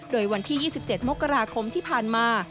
โดยวันที่๒๗มกราคมที่ผ่านมา